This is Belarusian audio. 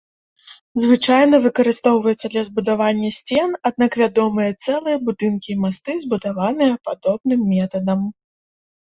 Звычайна выкарыстоўваецца для збудавання сцен, аднак вядомыя цэлыя будынкі і масты, збудаваны падобным метадам.